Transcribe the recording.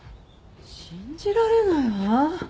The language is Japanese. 信じられないわ。